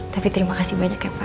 tapi terima kasih banyak ya pak